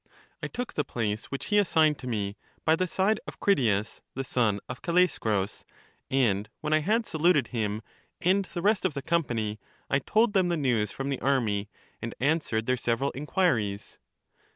I took the place which he assigned to me, by the side of Critias the son of Callaeschrus, and when I had saluted him and the rest of the company, I told them the news from the army, and answered their several inquiries.